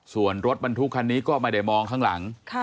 ส่วนรถบรรทุกคันนี้ก็ไม่ได้มองข้างหลัง